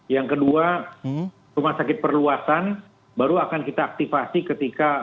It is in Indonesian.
yang kedua rumah sakit perluasan baru akan kita aktifasi ketika